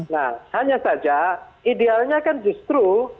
nah hanya saja idealnya kan justru